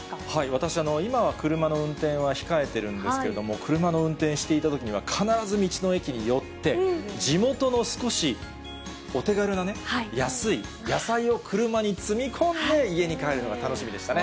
私、今は車の運転は控えてるんですけども、車の運転していたときには、必ず道の駅に寄って、地元の少し、お手軽なね、安い野菜を車に積み込んで家に帰るのが楽しみでしたね。